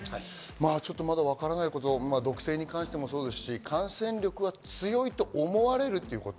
まだわからないこと、毒性に関してもそうですし、感染力が強いと思われるということ。